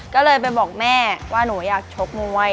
ก็เลยไปบอกแม่ว่าหนูอยากชกมวย